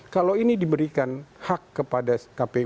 kalau ini diberikan hak kepada kpu untuk mengatur seseorang